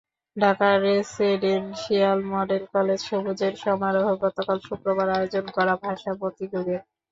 Dhaka residential model কলেজে সবুজের সমারোহে গতকাল শুক্রবার আয়োজন করা ভাষা প্রতিযোগের।